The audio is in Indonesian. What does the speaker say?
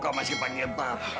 kamu masih panggil bapak